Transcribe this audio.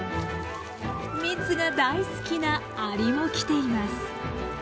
蜜が大好きなアリも来ています。